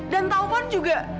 dan taufan juga